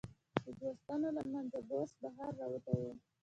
د دوو ستنو له منځه بوس بهر را وتي و.